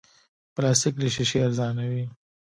پلاستيک له شیشې ارزانه وي.